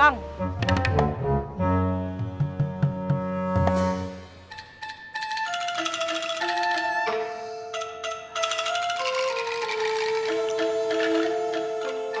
bupeng itu mudah jalanin